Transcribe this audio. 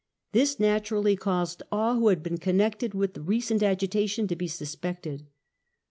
This naturally caused all who had been connected with the recent agitation to be suspected.